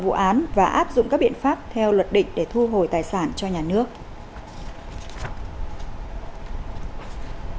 về tội vi phạm quy định về quản lý sử dụng tài sản nhà nước gây thất thoát